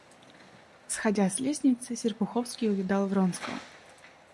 Сходя с лестницы, Серпуховской увидал Вронского.